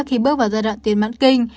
khi bước vào giai đoạn tiền mạng kinh